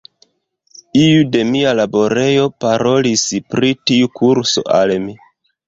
Iu de mia laborejo parolis pri tiu kurso al mi.